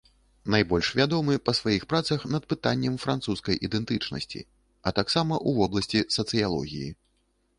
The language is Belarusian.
Найбольш вядомы па сваіх працах над пытаннем французскай ідэнтычнасці, а таксама ў вобласці сацыялогіі.